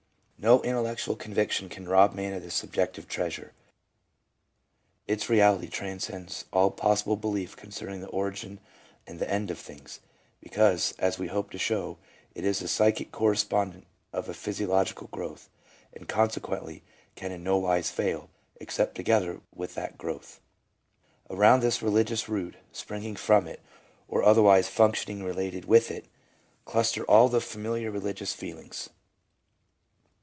No intellectual conviction can rob man of this subjective treasure. Its reality transcends all possible belief concerning the origin and the end of things, because, as we hope to show, it is the psychic correspondent of a physiological growth, and consequently can in no wise fail, except together with that growth. Around this religious root, springing from it, or otherwise function ally related with it, cluster all the familiar religious feelings.